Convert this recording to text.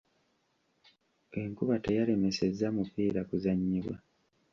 Enkuba teyalemesezza mupiira kuzannyibwa.